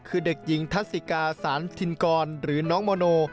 คือเด็กหญิงทัศิกาสารธินกรหรือน้องโมโน